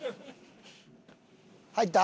入った？